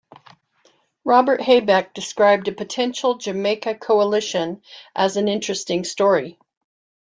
Robert Habeck described a potential Jamaica coalition as an interesting story.